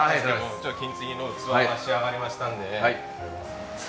こちら金継ぎの器が仕上がりましたので。